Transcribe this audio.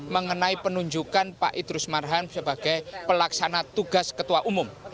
mengenai penunjukan pak idrus marham sebagai pelaksana tugas ketua umum